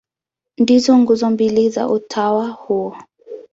Ndizo nguzo mbili za utawa huo.